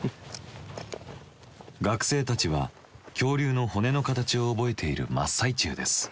学生たちは恐竜の骨の形を覚えている真っ最中です。